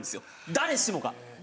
誰しもが。